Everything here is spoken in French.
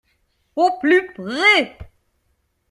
Au plus près